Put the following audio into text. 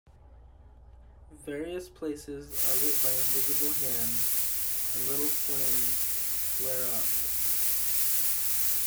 Various places are lit by invisible hands, and little flames flare up.